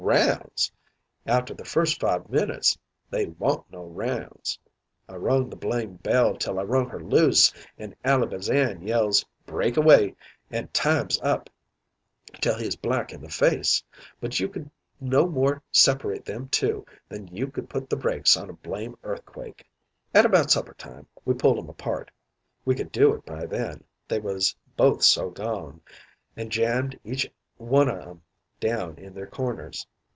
Rounds! After the first five minutes they wa'n't no rounds. I rung the blame bell till I rung her loose an' Ally Bazan yells 'break away' an' 'time's up' till he's black in the face, but you could no more separate them two than you could put the brakes on a blame earthquake. "At about suppertime we pulled 'em apart. We could do it by then, they was both so gone; an' jammed each one o' 'em down in their corners.